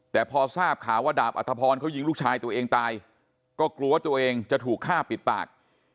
แต่พอทราบข่าวว่าดาบอัธพรเขายิงลูกชายตัวเองตายก็กลัวตัวเองจะถูกฆ่าปิดปาก